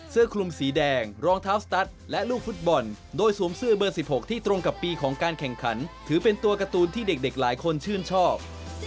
เสื้อคลุมสีแดงรองเท้าสตัสและลูกฟุตบอลโดยสวมเสื้อเบอร์๑๖ที่ตรงกับปีของการแข่งขันถือเป็นตัวการ์ตูนที่เด็กหลายคนชื่นชอบ